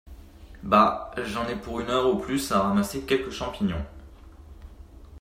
Bah, j’en ai pour une heure au plus à ramasser quelques champignons!